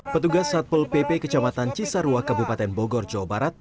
petugas satpol pp kecamatan cisarua kabupaten bogor jawa barat